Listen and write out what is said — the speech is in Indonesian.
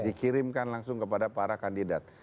dikirimkan langsung kepada para kandidat